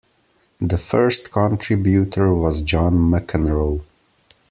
The first contributor was John McEnroe.